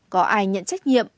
có ai nhận trách nhiệm